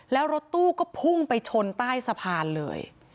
แล้วรถตู้ก็พุ่งไปชนใต้สะพานเลย